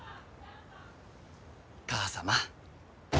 母様。